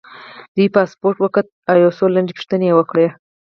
دوی پاسپورټ وکوت او یو څو لنډې پوښتنې یې وکړې.